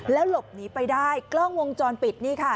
หลบหนีไปได้กล้องวงจรปิดนี่ค่ะ